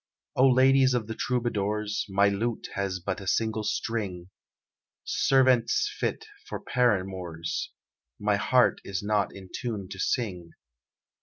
"O ladies of the Troubadours, My lute has but a single string; Sirventes fit for paramours, My heart is not in tune to sing.